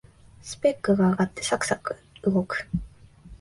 スペックが上がってサクサク動く